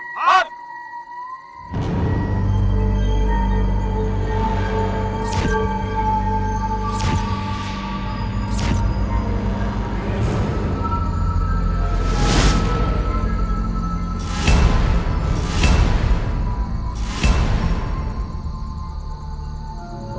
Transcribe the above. พร้อม